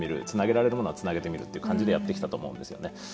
つなげられるものはつなげてみるという感じでやってきたと思うんですよね。